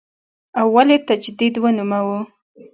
ولې تجدید ونوموو.